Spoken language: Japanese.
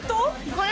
これ！